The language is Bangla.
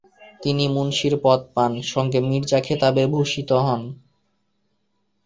তিনি মুনশির পদ পান, সঙ্গে মির্জা খেতাবে ভূষিত হন।